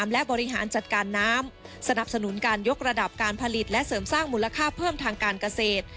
และค่าเพิ่มทางการเกษตร